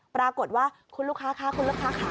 ปรากฏว่าคุณลูกค้าค่ะคุณลูกค้าค่ะ